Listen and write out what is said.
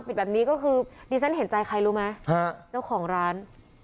ปิดแบบนี้ก็คือดีเซ็นต์เห็นใจใครรู้ไหมฮะเจ้าของร้านอ๋อ